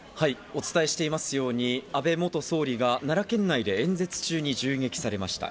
お伝えしていますように安倍元総理が奈良県内で演説中に銃撃されました。